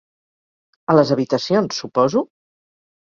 A les habitacions, suposo?